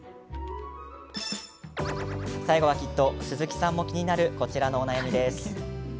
最後はきっと鈴木さんも気になるこちらのお悩みです。